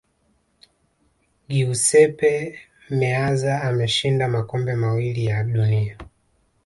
giuseppe meazza ameshinda makombe mawili ya dunia